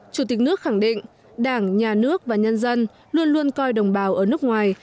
chủ tịch nước khẳng định đảng nhà nước và nhân dân luôn luôn coi đồng bào ở nước ngoài